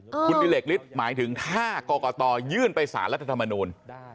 คุณดิเหลกฤทธิ์หมายถึงถ้ากรกตยื่นไปสารรัฐธรรมนูล